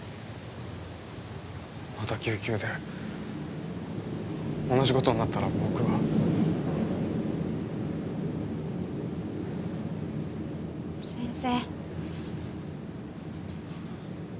また救急で同じことになったら僕は先生